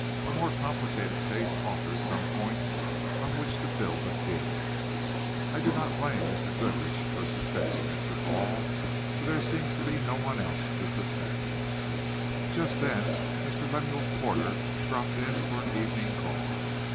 A more complicated case offers some points on which to build a theory. I do not blame Mr. Goodrich for suspecting Mr. Hall, for there seems to be no one else to suspect." Just then Mr. Lemuel Porter dropped in for an evening call.